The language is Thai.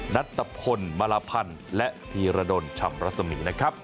นัทตะพลมาลาพันธ์และพีรดลชำรัศมีนะครับ